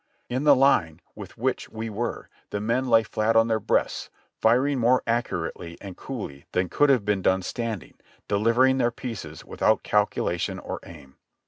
In the line with which we were, the men lay flat on their breasts, firing more accurately and coolly than could have been done stand ing, delivering their pieces without calculation or aim.